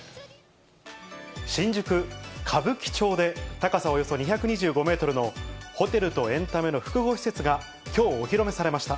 新宿・歌舞伎町で、高さおよそ２２５メートルのホテルとエンタメの複合施設がきょうお披露目されました。